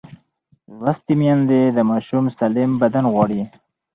لوستې میندې د ماشوم سالم بدن غواړي.